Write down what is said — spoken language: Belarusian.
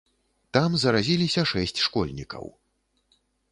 Там заразіліся шэсць школьнікаў.